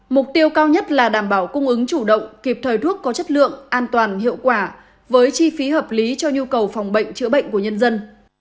mục tiêu cao nhất là đảm bảo cung ứng chủ động kịp thời thuốc có chất lượng an toàn hiệu quả với chi phí hợp lý cho nhu cầu phòng bệnh chữa bệnh của nhân dân